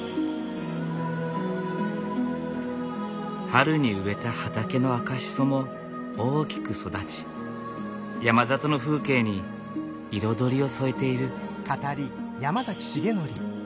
春に植えた畑の赤シソも大きく育ち山里の風景に彩りを添えている。